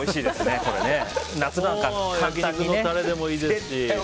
焼き肉のタレでもいいですし。